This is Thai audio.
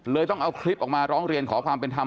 ต้องเอาคลิปออกมาร้องเรียนขอความเป็นธรรม